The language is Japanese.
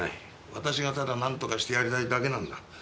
私がただなんとかしてやりたいだけなんだ